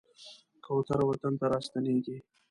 کوتره وطن ته راستنېږي.